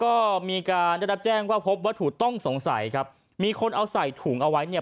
ก็มีการได้รับแจ้งว่าพบวัตถุต้องสงสัยครับมีคนเอาใส่ถุงเอาไว้เนี่ย